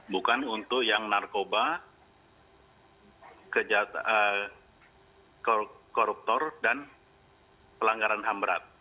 bukan untuk yang narkoba koruptor dan pelanggaran hamberat